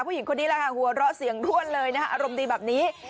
ผู้หญิงคนนี้แหละค่ะหัวเราะเสียงร่วนเลยนะคะอารมณ์ดีแบบนี้